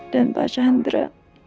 dan pak chandra